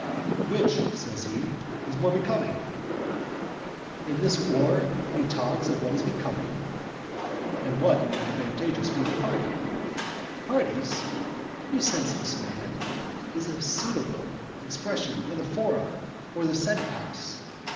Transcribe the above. "Which," says he, "is more becoming." In this war he talks of what is becoming! "And more advantageous for your party." "Parties," you senseless man, is a suitable expression for the forum, or the senate house.